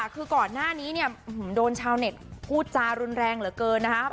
คือก่อนหน้านี้เนี่ยโดนชาวเน็ตพูดจารุนแรงเหลือเกินนะครับ